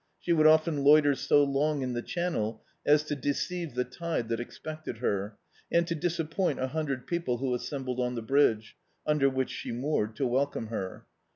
She would often loiter so long in the chaimel as to deceive the tide that expected her, and to disappoint a hundred people who assembled on the bridge— under which she moored — to welcome her.